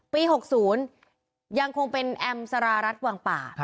๖๐ยังคงเป็นแอมสารารัฐวังป่า